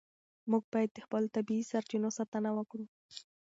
موږ باید د خپلو طبیعي سرچینو ساتنه وکړو.